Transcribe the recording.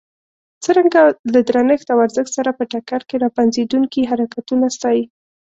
څرنګه له درنښت او ارزښت سره په ټکر کې را پنځېدونکي حرکتونه ستایي.